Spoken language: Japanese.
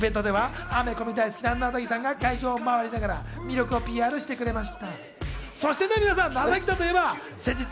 イベントではアメコミ大好きななだぎさんが会場を周りながら魅力をＰＲしてくれました。